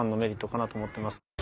かなと思ってます。